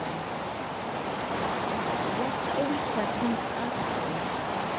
WORK HAT are we set on earth for?